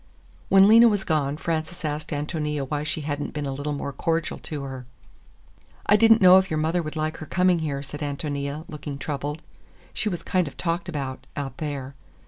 When Lena was gone, Frances asked Ántonia why she had n't been a little more cordial to her. "I did n't know if your mother would like her coming here," said Ántonia, looking troubled. "She was kind of talked about, out there."